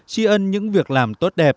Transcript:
chi ân những việc làm tốt đẹp